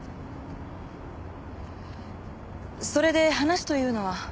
それで話というのは？